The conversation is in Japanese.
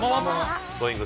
Ｇｏｉｎｇ！